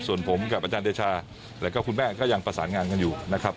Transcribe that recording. ส่วนผมกับอาจารย์เดชาแล้วก็คุณแม่ก็ยังประสานงานกันอยู่นะครับ